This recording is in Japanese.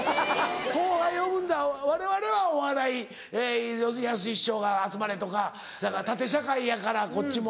後輩呼ぶんだわれわれはお笑い要するにやすし師匠が「集まれ」とか縦社会やからこっちも。